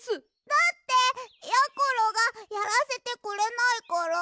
だってやころがやらせてくれないから。